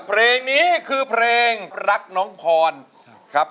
เพลงนี้คือเพลงรักน้องพรครับ